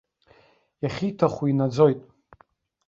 Иахьиҭаху инаӡоит!